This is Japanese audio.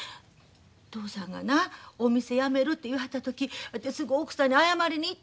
嬢さんがなお店やめるて言わはった時わてすぐ奥さんに謝りに行ったんだす。